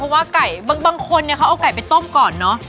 เพราะว่าไก่บางคนเนี่ยเขาเอาไก่ไปต้มก่อนเนอะ